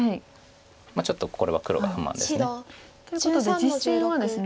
ちょっとこれは黒が不満です。ということで実戦はですね